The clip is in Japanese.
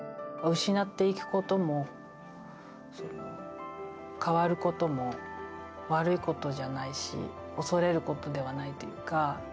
失っていくことも変わることも悪いことじゃないし恐れることではないというか。